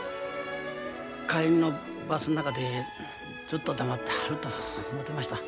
帰りのバスの中でずっと黙ってはると思うてました。